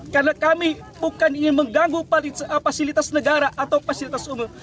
karena kami bukan ingin mengganggu fasilitas negara atau fasilitas umum